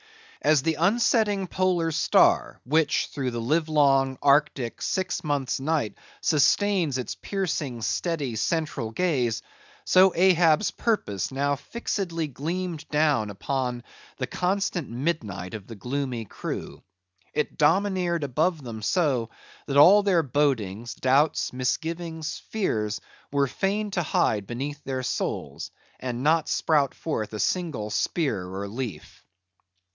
As the unsetting polar star, which through the livelong, arctic, six months' night sustains its piercing, steady, central gaze; so Ahab's purpose now fixedly gleamed down upon the constant midnight of the gloomy crew. It domineered above them so, that all their bodings, doubts, misgivings, fears, were fain to hide beneath their souls, and not sprout forth a single spear or leaf.